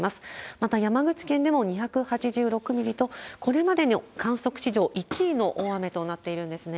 また山口県でも２８６ミリと、これまでの観測史上１位の大雨となっているんですね。